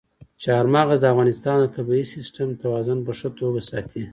چار مغز د افغانستان د طبعي سیسټم توازن په ښه توګه ساتي.